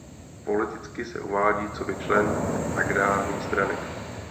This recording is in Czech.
Politicky se uvádí coby člen agrární strany.